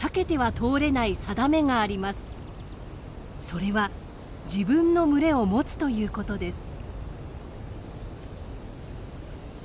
それは自分の群れを持つということです。